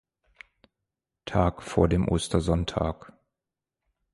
Tag vor dem Ostersonntag.